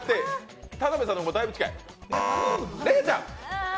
田辺さんのがだいぶ近い。